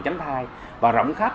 tránh thai và rộng khắp